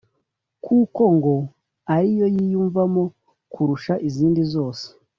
kuko ngo ariyo yiyumvamo kurusha izindi zose